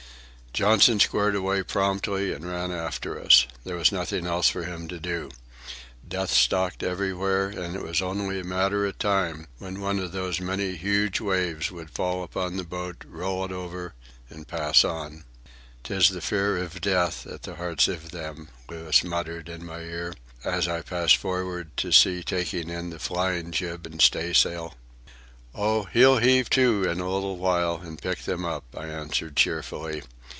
Johnson squared away promptly and ran after us. There was nothing else for him to do. Death stalked everywhere, and it was only a matter of time when some one of those many huge seas would fall upon the boat, roll over it, and pass on. "'Tis the fear iv death at the hearts iv them," Louis muttered in my ear, as I passed forward to see to taking in the flying jib and staysail. "Oh, he'll heave to in a little while and pick them up," I answered cheerfully.